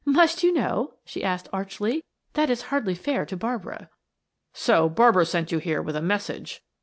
"Must you know?" she asked archly. "That is hardly fair to Barbara." "So Barbara sent you here with a message!"